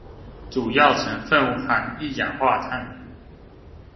主要成分含一氧化碳